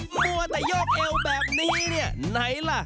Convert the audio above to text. มัวแต่ยกเอวแบบนี้ไหนล่ะ